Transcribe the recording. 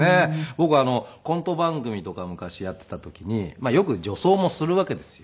僕コント番組とか昔やっていた時によく女装もするわけですよ。